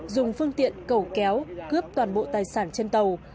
dùng phương tiện cầu kéo cướp toàn bộ tài sản trên tàu